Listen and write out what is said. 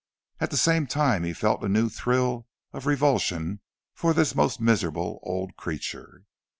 At the same time he felt a new thrill of revulsion for this most miserable old creature.